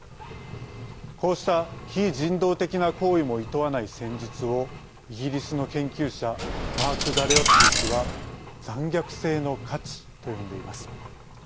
こうした非人道的な行為もいとわない戦術をイギリスの研究者マーク・ガレオッティ氏は残虐性の価値と呼んでいます。